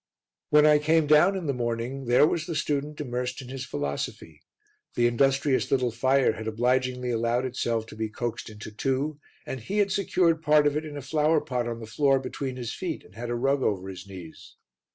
When I came down in the morning there was the student immersed in his philosophy; the industrious little fire had obligingly allowed itself to be coaxed into two, and he had secured part of it in a flower pot on the floor between his feet and had a rug over his knees.